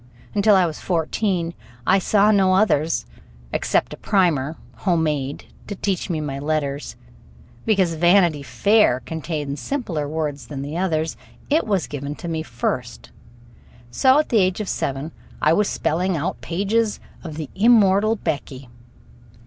Until I was fourteen I saw no others, except a primer, homemade, to teach me my letters. Because "Vanity Fair" contained simpler words than the others, it was given me first; so at the age of seven I was spelling out pages of the immortal Becky.